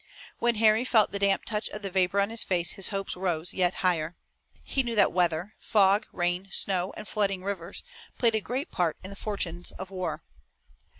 When Harry felt the damp touch of the vapor on his face his hopes rose yet higher. He knew that weather, fog, rain, snow and flooding rivers played a great part in the fortunes of war.